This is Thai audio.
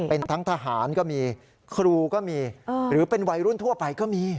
เป็นทั้งทหารก็มีครูก็มีหรือเป็นวัยรุ่นทั่วไปก็มี